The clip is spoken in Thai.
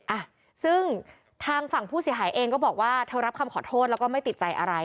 อ่ะซึ่งทางฝั่งผู้เสียหายเองก็บอกว่าเธอรับคำขอโทษแล้วก็ไม่ติดใจอะไร